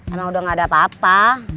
emang udah gak ada apa apa